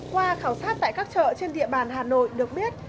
qua khảo sát tại các chợ trên địa bàn hà nội được biết